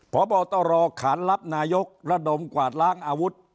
พบตรขานรับนายกระดมกวาดล้างอาวุธ